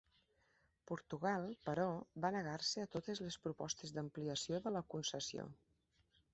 Portugal, però, va negar-se a totes les propostes d'ampliació de la concessió.